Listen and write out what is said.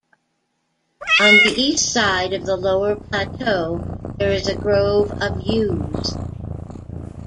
On the east side of the lower plateau there is a grove of yews.